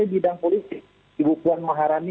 bidang politik ibu puan maharani